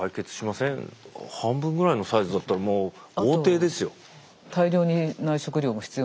半分ぐらいのサイズだったらもう豪邸ですよ。ですよね。